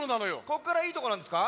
こっからいいとこなんですか？